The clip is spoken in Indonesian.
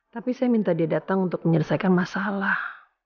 tapi saya minta dia datang untuk menyelesaikan masalah